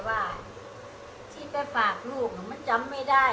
อยากเจอตาลูกใช่มั้ย